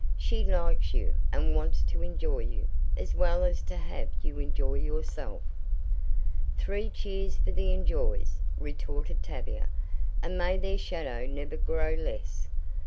She likes you, and wants to enjoy you, as well as to have you enjoy yourself." "Three cheers for the enjoys," retorted Tavia, "and may their shadow never grow less.